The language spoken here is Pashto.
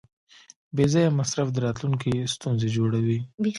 بېځایه مصرف د راتلونکي ستونزې جوړوي.